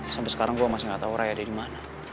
sampai sekarang gue masih gak tau raya ada dimana